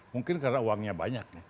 mungkin karena uangnya banyak